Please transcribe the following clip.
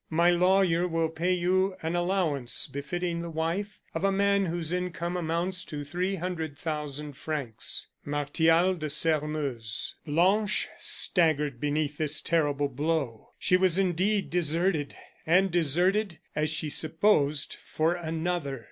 "My lawyer will pay you an allowance befitting the wife of a man whose income amounts to three hundred thousand francs. "Martial de Sairmeuse." Blanche staggered beneath this terrible blow. She was indeed deserted, and deserted, as she supposed, for another.